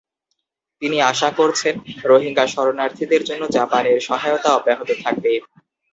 তিনি আশা করছেন রোহিঙ্গা শরণার্থীদের জন্য জাপানের সহায়তা অব্যাহত থাকবে।